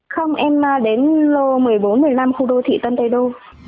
không nên đến lô một mươi bốn một mươi năm khu đô thị tân tây đô